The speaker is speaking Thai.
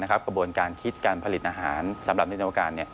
กระบวนการคิดการผลิตอาหารสำหรับนิกรรมการ